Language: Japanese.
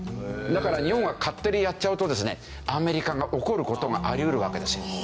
だから日本が勝手にやっちゃうとですねアメリカが怒る事があり得るわけですよ。